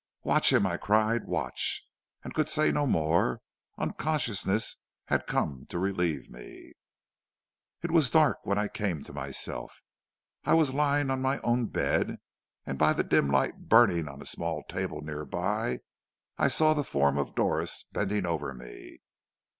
"'Watch him,' I cried, 'watch ' and could say no more. Unconsciousness had come to relieve me. "It was dark when I came to myself. I was lying on my own bed, and by the dim light burning on a small table near by I saw the form of Doris bending over me.